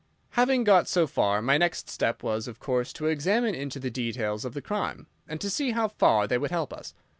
"Having got so far, my next step was, of course, to examine into the details of the crime, and to see how far they would help us.